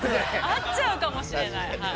◆合っちゃうかもしれない。